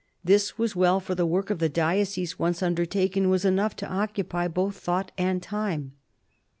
This was well, for the work of the diocese, once undertaken, was enough to occupy both thought and time.